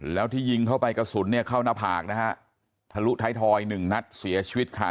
แล้วที่ยิงเข้าไปกระสุนเนี่ยเข้าหน้าผากนะฮะทะลุท้ายทอยหนึ่งนัดเสียชีวิตค่ะ